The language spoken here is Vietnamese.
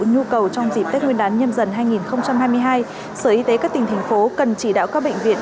nhu cầu trong dịp tết nguyên đán nhâm dần hai nghìn hai mươi hai sở y tế các tỉnh thành phố cần chỉ đạo các bệnh viện